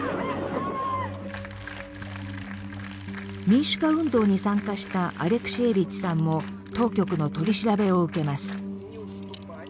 民主化運動に参加したアレクシエービッチさんも当局の取り調べを受けます。